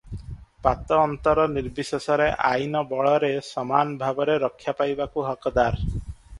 ପାତଅନ୍ତର ନିର୍ବିଶେଷରେ ଆଇନ ବଳରେ ସମାନ ଭାବରେ ରକ୍ଷା ପାଇବାକୁ ହକଦାର ।